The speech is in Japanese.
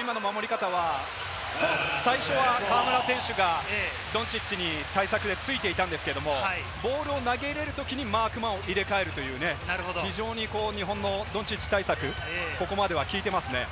今の守り方は、最初は河村選手がドンチッチに対策でついていたんですけれども、ボールを投げ入れるときにマークマンを入れ替える、日本のドンチッチ対策、ここまでは効いていますね。